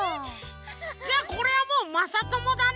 じゃあこれはもうまさともだね。